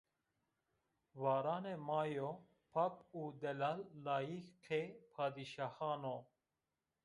Varanê ma yo pak û zelal layiqê padîşahan o.